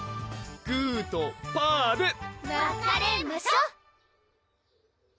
グーとパーで分かれましょ！